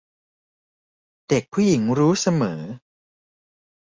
เด็กผู้หญิงรู้เสมอ